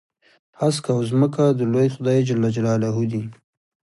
هسک او ځمکه د لوی خدای جل جلاله دي.